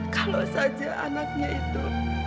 kalau saja anaknya itu